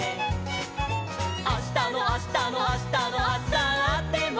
「あしたのあしたのあしたのあさっても」